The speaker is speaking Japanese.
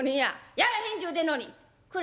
やらへんて言うてんのに」。